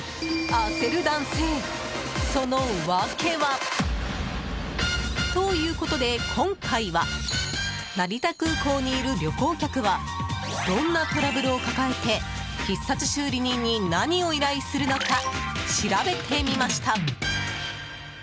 あせる男性、その訳は？ということで、今回は成田空港にいる旅行客はどんなトラブルを抱えて必殺修理人に何を依頼するのか調べてみました。